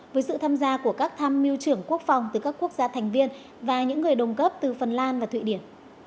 với sự tham gia của các tham miêu trưởng quốc phòng từ các quốc gia thành viên và những người đồng cấp từ phần lan và thụy điển